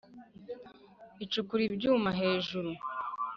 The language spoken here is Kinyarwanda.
Icukura ibyuma hejuru